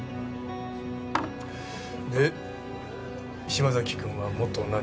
で島崎くんは元何？